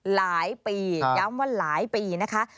หลายปีย้ำว่าหลายปีนะคะ